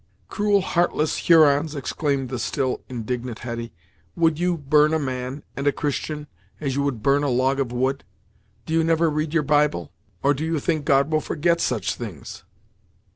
"Cruel, heartless Hurons!" exclaimed the still indignant Hetty "Would you burn a man and a Christian, as you would burn a log of wood! Do you never read your Bibles? Or do you think God will forget such things?"